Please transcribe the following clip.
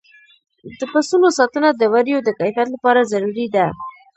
د پسونو ساتنه د وړیو د کیفیت لپاره ضروري ده.